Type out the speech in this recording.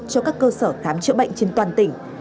cho các cơ sở khám chữa bệnh trên toàn tỉnh